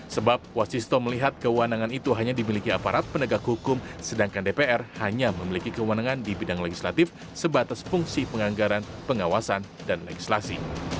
sebab wasisto melihat kewenangan itu hanya dimiliki aparat penegak hukum sedangkan dpr hanya memiliki kewenangan di bidang legislatif sebatas fungsi penganggaran pengawasan dan legislasi